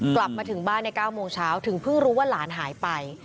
กลับมาถึงบ้านใน๙โมงเช้าถึงเพิ่งรู้ว่าหลานหายไป